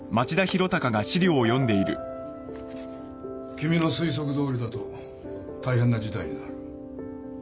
君の推測どおりだと大変な事態になる。